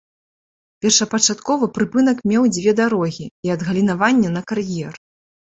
Першапачаткова прыпынак меў дзве дарогі і адгалінаванне на кар'ер.